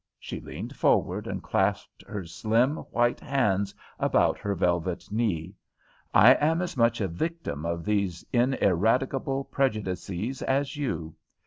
She leaned forward and clasped her slim, white hands about her velvet knee. "I am as much a victim of these ineradicable prejudices as you.